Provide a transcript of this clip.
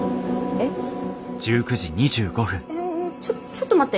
えちょちょっと待って。